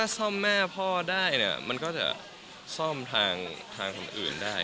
ซ่อมแม่พ่อได้เนี่ยมันก็จะซ่อมทางอื่นได้